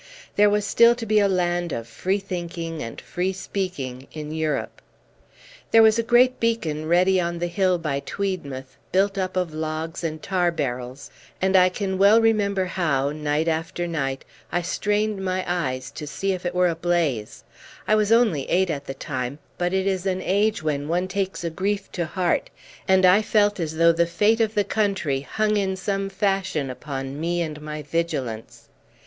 There was still to be a land of free thinking and free speaking in Europe. There was a great beacon ready on the hill by Tweedmouth, built up of logs and tar barrels; and I can well remember how, night after night, I strained my eyes to see if it were ablaze. I was only eight at the time, but it is an age when one takes a grief to heart, and I felt as though the fate of the country hung in some fashion upon me and my vigilance.